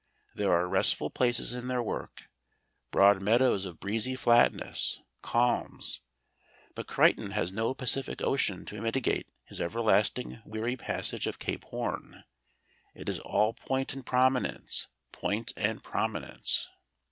There are restful places in their work, broad meadows of breezy flatness, calms. But Crichton has no Pacific Ocean to mitigate his everlasting weary passage of Cape Horn: it is all point and prominence, point and prominence.